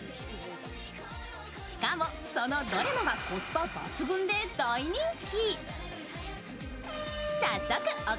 しかもそのどれもがコスパ抜群で大人気。